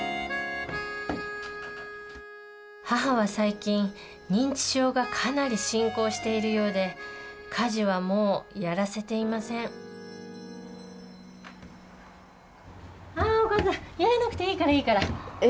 母は最近認知症がかなり進行しているようで家事はもうやらせていませんあお母さんやらなくていいからいいから。え。